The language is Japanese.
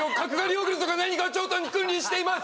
ヨーグルトが何か頂点に君臨しています！